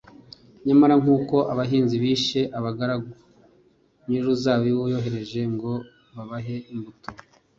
nyamara nk’uko abahinzi bishe abagaragu nyir’uruzabibu yohereje ngo babahe imbuto,